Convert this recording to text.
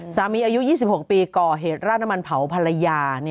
อายุ๒๖ปีก่อเหตุราดน้ำมันเผาภรรยา